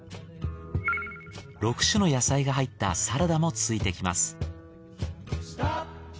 ６種の野菜が入ったサラダも付いてきます。